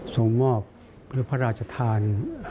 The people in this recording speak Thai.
ส่งมอบหรือพระราชทาน